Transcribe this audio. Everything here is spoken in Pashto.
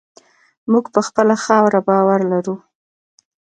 موږ په خپله خاوره باور لرو.